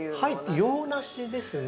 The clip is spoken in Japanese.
洋梨ですね。